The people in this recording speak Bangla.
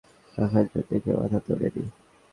তার পরে তাতারী শাসন অক্ষুন্ন রাখার জন্যে কেউ মাথা তোলেনি।